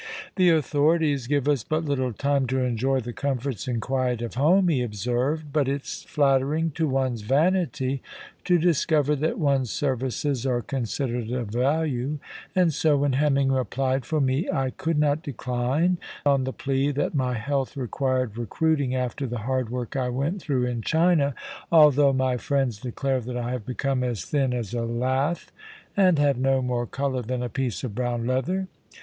"The authorities give us but little time to enjoy the comforts and quiet of home," he observed, "but it's flattering to one's vanity to discover that one's services are considered of value; and so when Hemming applied for me I could not decline, on the plea that my health required recruiting after the hard work I went through in China, although my friends declare that I have become as thin as a lath, and have no more colour than a piece of brown leather.